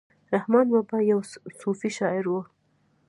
رحمان بابا یو صوفي شاعر ؤ